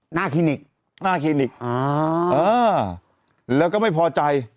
คลินิกหน้าคลินิกอ่าเออแล้วก็ไม่พอใจ